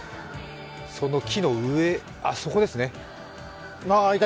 その木の上、そこですね。